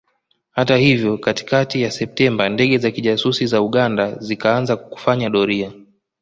Hata hivyo katikakati ya Septemba ndege za kijasusi za Uganda zikaanza kufanya doria